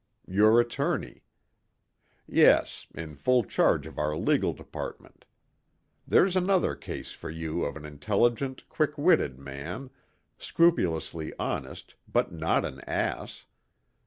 "Your attorney." "Yes, in full charge of our legal department. There's another case for you of an intelligent, quick witted man, scrupulously honest but not an ass.